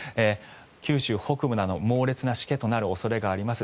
九州北部など猛烈なしけとなる恐れがあります。